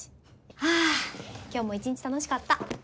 はぁ今日も一日楽しかった。